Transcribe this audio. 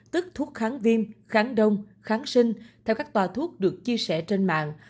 tức thuốc kháng viêm kháng đông kháng sinh theo các tòa thuốc được chia sẻ trên mạng